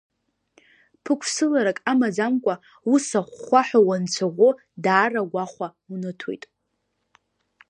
Ԥықәсыларак амаӡамкәа, ус ахәхәаҳәа уанцәаӷәо даара агәахәа унаҭоит.